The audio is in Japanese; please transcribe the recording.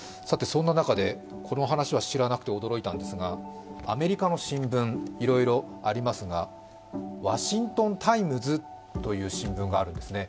そんな中でこの話は知らなくて驚いたんですが、アメリカの新聞、いろいろありますが、「ワシントン・タイムズ」という新聞があるんですね。